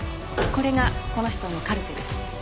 これがこの人のカルテです。